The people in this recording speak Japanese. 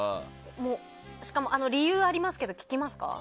しかも理由ありますけど聞きますか？